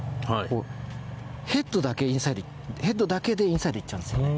ヘッドだけインサイドヘッドだけでインサイドいっちゃうんですよね。